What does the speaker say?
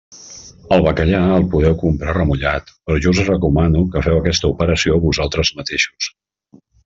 El bacallà el podeu comprar remullat, però jo us recomano que feu aquesta operació vosaltres mateixos.